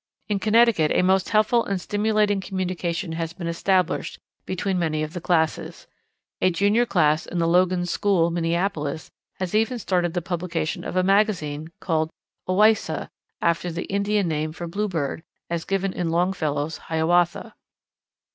In Connecticut a most helpful and stimulating communication has been established between many of the classes. A junior class in the Logan School, Minneapolis, has even started the publication of a magazine called Owaissa, after the Indian name for Bluebird, as given in Longfellow's "Hiawatha."